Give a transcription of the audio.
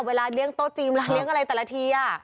เลี้ยงโต๊ะจีนเวลาเลี้ยงอะไรแต่ละที